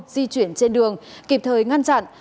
đi chuyển trên đường kịp thời ngăn chặn